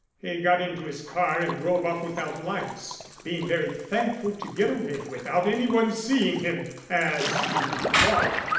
He got into his car and drove off without lights, being very thankful to get away without any one seeing him as he thought.